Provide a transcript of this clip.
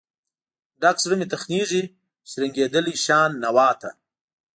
ډک زړه مې تخنیږي، شرنګیدلې شان نوا ته